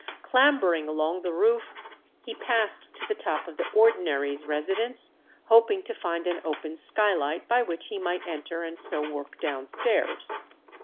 Clambering along the roof, he passed to the top of the ordinary's residence, hoping to find an open sky light by which he might enter and so work downstairs.